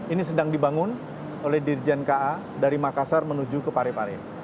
ini sedang dibangun oleh dirjen ka dari makassar menuju ke parepare